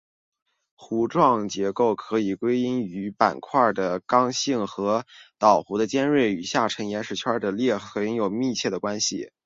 弧状结构可以归因于板块的刚性和岛弧的尖端与下沉岩石圈的裂缝有密切关系。